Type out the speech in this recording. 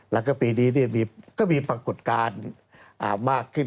แล้วก็ปีนี้ก็มีปรากฏการณ์มากขึ้น